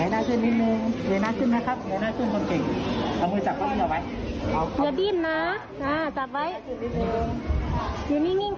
ไม่จับไม่จับเอาแป๊บเดียว